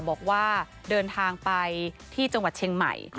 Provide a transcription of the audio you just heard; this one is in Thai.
บอกว่าเดินทางไปที่จังหวัดเชียงใหม่